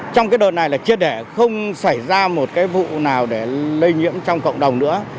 trong cái đợt này là triệt đẻ không xảy ra một cái vụ nào để lây nhiễm trong cộng đồng nữa